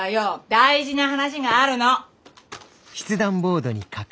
大事な話があるの。